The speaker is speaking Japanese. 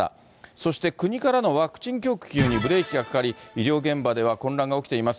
そして国からのワクチン供給にブレーキがかかり、医療現場では混乱が起きています。